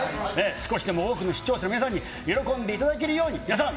少しでも多くの視聴者の皆さんに喜んでいただけるように、皆さん、